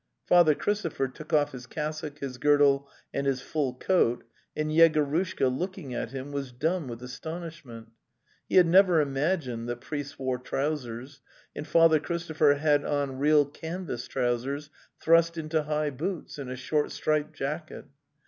Father Christopher took off his cassock, his girdle, and his full coat, and Yegorushka, looking at him, was dumb with astonishment. He had never imag ined that priests wore trousers, and Father Chris topher had on real canvas trousers thrust into high boots, and a short striped jacket.